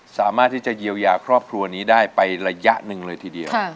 สามารถที่จะเยียวยาครอบครัวนี้ได้ไประยะหนึ่งเลยทีเดียว